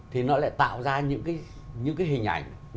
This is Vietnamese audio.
thì nó lại tạo ra những cái hình ảnh